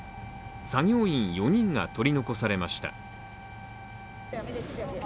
作業員４人が取り残されました。